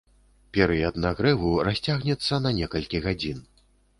Перыяд нагрэву расцягнецца на некалькі гадзін.